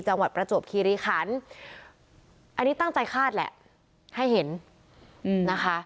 จังหวัดประจวบคีรีขันต์อันนี้ตั้งใจคาดแหละให้เห็นอืมนะคะ